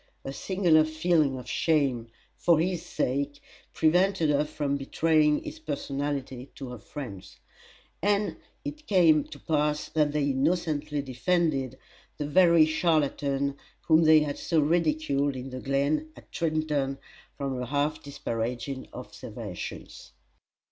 A singular feeling of shame, for his sake, prevented her from betraying his personality to her friends; and it came to pass that they innocently defended the very charlatan whom they had so ridiculed in the glen at Trenton from her half disparaging observations.